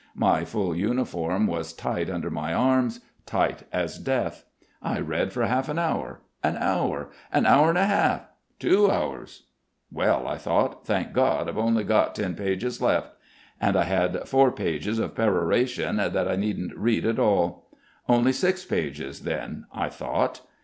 My full uniform was tight under my arms, tight as death. I read for half an hour, an hour, an hour and a half, two hours. 'Well,' I thought, 'thank God I've only ten pages left.' And I had four pages of peroration that I needn't read at all. 'Only six pages then,' I thought.